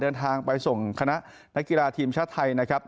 เดินทางไปส่งคณะนักกีฬาทีมชาติไทยนะครับ